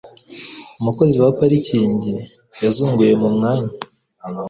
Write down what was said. Umukozi wa parikingi yazunguye mu mwanya.